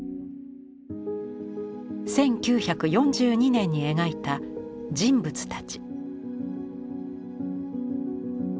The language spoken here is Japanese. １９４２年に描いた「人物たち」。